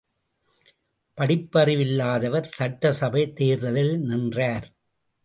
படிப்பறிவில்லாதவர் சட்டசபைத் தேர்தலில் நின்றார்.